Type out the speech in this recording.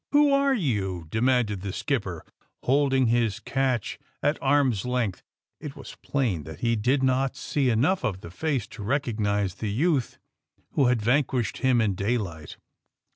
"Who are you I" demanded the skipper, hold ing his catch at arm 's length. It was plain that he did not see enough of the face to recognize the youth who had vanquished him in daylight.